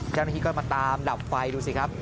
เจ้าหน้าที่ก็มาตามดับไฟดูสิครับ